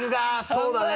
そうだね。